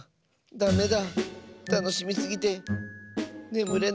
ダメだ。